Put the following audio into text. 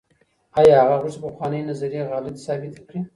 آيا هغه غوښتل پخوانۍ نظريې غلطې ثابتې کړي؟